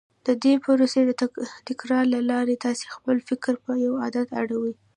د دې پروسې د تکرار له لارې تاسې خپل فکر پر يوه عادت اړوئ.